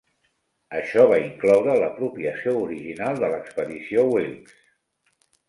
Això va incloure l'apropiació original de l'expedició Wilkes.